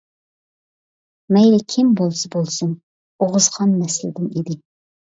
مەيلى كىم بولسا بولسۇن، ئوغۇزخان نەسلىدىن ئىدى.